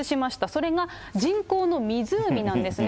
それが人工の湖なんですね。